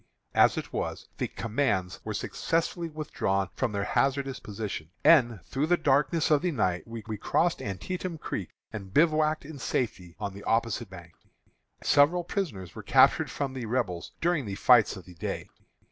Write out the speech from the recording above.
As it was, the commands were successfully withdrawn from their hazardous position, and through the darkness of the night we crossed Antietam Creek, and bivouacked in safety on the opposite bank. Several prisoners were captured from the Rebels during the fights of the day.